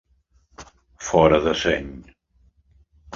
Fora de seny.